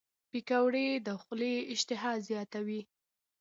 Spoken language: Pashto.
پکورې د خولې اشتها زیاتوي